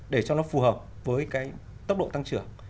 để cho nó phù hợp với cái tốc độ tăng trưởng